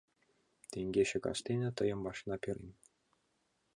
— Теҥгече кастене тыйым машина перен.